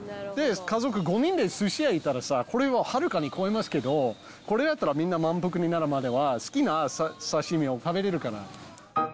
家族５人ですし屋行ったらさ、これをはるかに超えますけど、これだったらみんな満腹になるまでは好きな刺身を食べれるから。